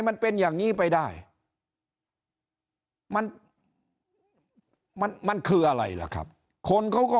มันเป็นอย่างนี้ไปได้มันมันคืออะไรล่ะครับคนเขาก็